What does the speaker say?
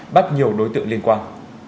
bắt nhiều đối tượng liên tục